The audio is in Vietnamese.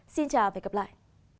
xin chào và hẹn gặp lại